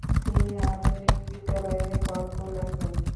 তিনি আধুনিক বিদ্যালয়ের গল্প লেখেন।